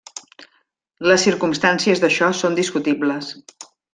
Les circumstàncies d'això són discutibles.